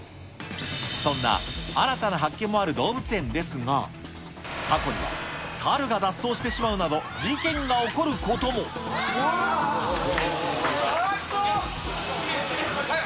そんな新たな発見もある動物園ですが、過去にはサルが脱走してしまうなど、事件が起こることも。はよ、はよ！